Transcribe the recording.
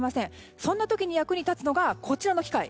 そんな時に役に立つのがこちらの機械。